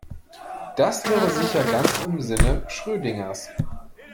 Das wäre sicher ganz im Sinne Schrödingers.